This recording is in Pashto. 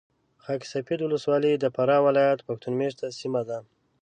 خاک سفید ولسوالي د فراه ولایت پښتون مېشته سیمه ده .